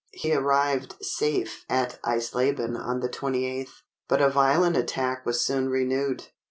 He arrived safe at Eisleben on the 28th, but a violent attack was soon renewed.